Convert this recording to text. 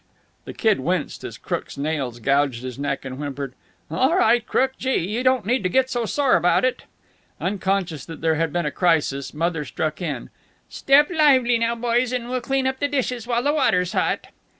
The Kid winced as Crook's nails gouged his neck, and whimpered: "All right, Crook. Gee! you don't need to get so sore about it." Unconscious that there had been a crisis, Mother struck in, "Step lively now, boys, and we'll clean the dishes while the water's hot."